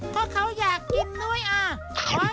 เพราะเขาอยากกินน้อยอ่ะ